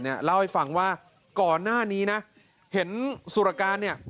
เล่าให้ฟังว่าก่อนหน้านี้นะเห็นสุรการเนี่ย